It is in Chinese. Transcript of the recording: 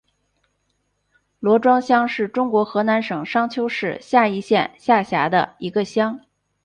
罗庄乡是中国河南省商丘市夏邑县下辖的一个乡。